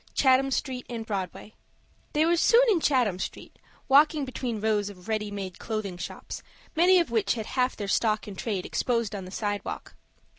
CHATHAM STREET AND BROADWAY They were soon in Chatham Street, walking between rows of ready made clothing shops, many of which had half their stock in trade exposed on the sidewalk.